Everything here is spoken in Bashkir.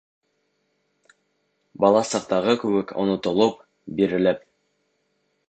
Бала саҡтағы кеүек онотолоп, бирелеп.